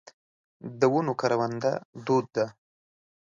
د ونو کرونده دود ده.